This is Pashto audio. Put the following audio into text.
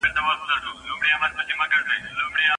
تاسو باید د ورزش پر مهال له ډېر خوراک او تندې څخه ځان وساتئ.